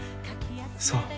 そう。